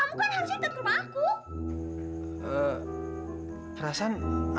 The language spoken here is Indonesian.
aku tahu kamu tuh sayang semuanya